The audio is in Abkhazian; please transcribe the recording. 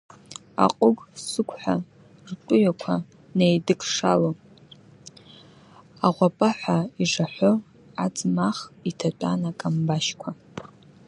Аҟыгә-сыгәҳәа ртәыҩақәа неидыкшало, аӷәапаҳәа ижаҳәо, аӡмах иҭатәан акамбашьқәа.